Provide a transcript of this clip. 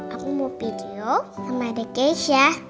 aku mau video sama dekesya